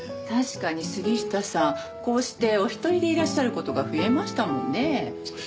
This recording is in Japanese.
確かに杉下さんこうしてお一人でいらっしゃる事が増えましたもんね。